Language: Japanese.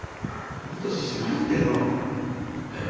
いい年して何言ってるの。え？